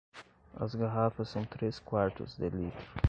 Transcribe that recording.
As garrafas são três quartos de litro.